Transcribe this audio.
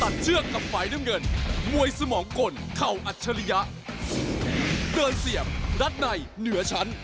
เดินเสียบรัฐในเหนือชั้น